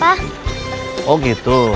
ya sampe begitu